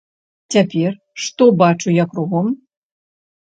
Цяпер, што бачу я кругом?